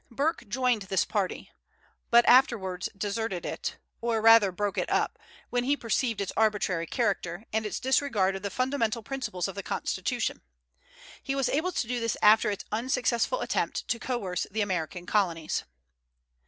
Burke joined this party, but afterwards deserted it, or rather broke it up, when he perceived its arbitrary character, and its disregard of the fundamental principles of the Constitution. He was able to do this after its unsuccessful attempt to coerce the American colonies.